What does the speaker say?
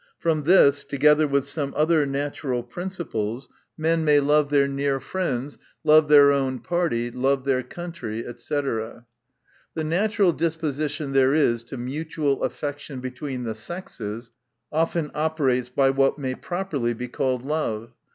From this, together with some other natural principles, men may love their near friends, love their own party, love their country, &c. The natural disposition there is to mutual affection between the sexes, often operates by what may properly be called love.